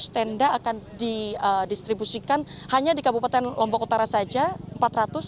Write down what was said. lima ratus tenda akan didistribusikan hanya di kabupaten lombok utara saja